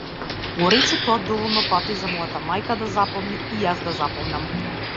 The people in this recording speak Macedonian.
Го рече тоа доволно пати за мојата мајка да запомни, и јас да запомнам.